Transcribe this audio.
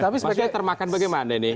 maka termahkan bagaimana ini